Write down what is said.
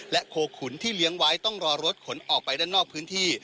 โคขุนที่เลี้ยงไว้ต้องรอรถขนออกไปด้านนอกพื้นที่